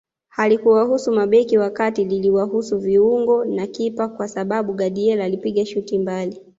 Halikuwahusu mabeki wa kati liliwahusu viungo na kipa kwa sababu Gadiel alipiga shuti mbali